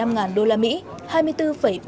ba năm ngàn đô la mỹ